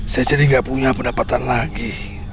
saya jadi nggak punya pendapatan lagi